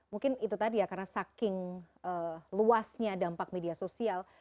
mungkin itu tadi ya karena saking luasnya dampak media sosial